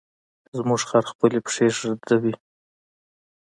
زموږ خر خپلې پښې ږدوي.